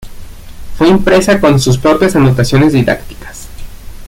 Fue impresa con sus propias anotaciones didácticas.